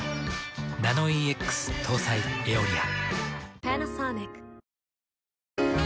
ナノイーＸ搭載「エオリア」。